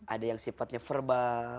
ada yang sifatnya verbal